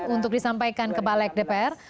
untuk disampaikan ke balek dpr